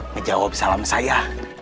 ngejawab salam saya